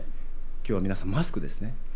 今日は皆さんマスクですね。